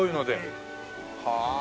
はあ。